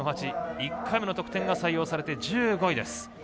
１回目の得点が採用されて１５位です。